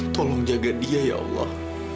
tolong jaga dia ya allah